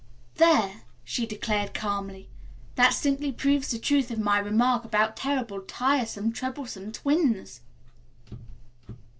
"There," she declared calmly, "that simply proves the truth of my remark about terrible, tiresome, troublesome twins."